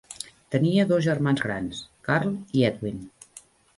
Tenia dos germans grans: Karl i Edwin.